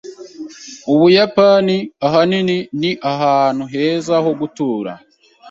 Ubuyapani, ahanini, ni ahantu heza ho gutura.